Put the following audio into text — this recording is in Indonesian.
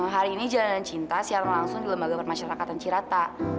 hari ini jalanan cinta siaran langsung di lembaga permasyarakatan cirata